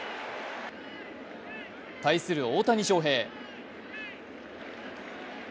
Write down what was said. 対する大谷翔平。